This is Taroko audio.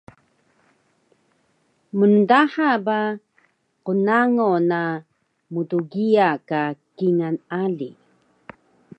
mndaha ba qnango na mtgiya ka kingal ali